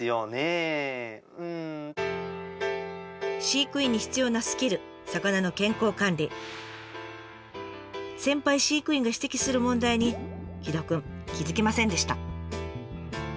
飼育員に必要なスキル先輩飼育員が指摘する問題に城戸くん気付けませんでした。